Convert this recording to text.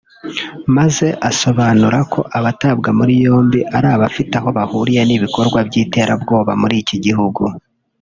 maze isobanura ko abatabwa muri yombi ari abafite aho bahuriye n’ibikorwa by’iterabwoba muri iki gihugu